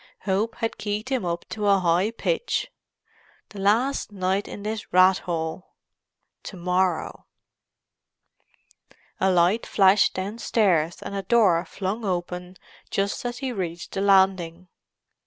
Hope had keyed him up to a high pitch. The last night in this rat hole; to morrow——! A light flashed downstairs and a door flung open just as he reached the landing.